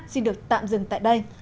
xin được tạm dừng tại đây